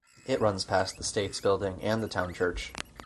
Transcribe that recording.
It runs past the States Building and the Town Church.